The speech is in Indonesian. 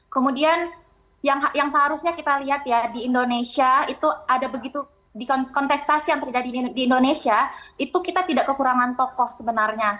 kemudian yang seharusnya kita lihat ya di indonesia itu ada begitu di kontestasi yang terjadi di indonesia itu kita tidak kekurangan tokoh sebenarnya